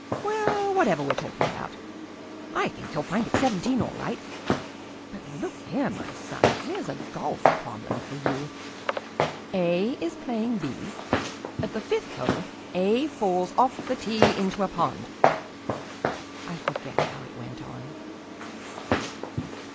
"Well, whatever we're talking about. I think you'll find it's seventeen all right. But look here, my son, here's a golf problem for you. A is playing B. At the fifth hole A falls off the tee into a pond " I forget how it went on.